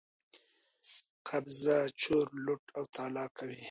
قبضه، چور، لوټ او تالا کوي.